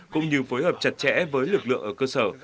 cũng như phối hợp chặt chẽ với lực lượng ở cơ sở